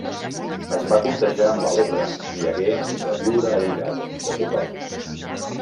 Es va contagiar amb la lepra i hagué de viure aïllat de tothom.